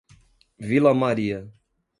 Vila Maria